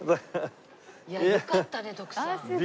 いやよかったね徳さん。